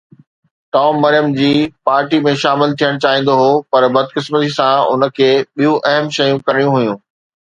Tom Maryam جي party ۾ شامل ٿيڻ چاهيندو هو پر بدقسمتي سان هن کي ٻيون اهم شيون ڪرڻيون هيون.